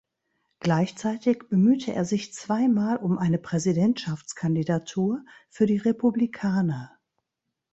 Gleichzeitig bemühte er sich zweimal um eine Präsidentschaftskandidatur für die Republikaner.